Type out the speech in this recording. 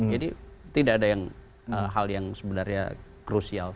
jadi tidak ada yang hal yang sebenarnya krusial